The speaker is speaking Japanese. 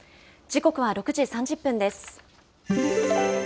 時刻は６時３０分です。